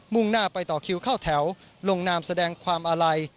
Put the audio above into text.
่งหน้าไปต่อคิวเข้าแถวลงนามแสดงความอาลัย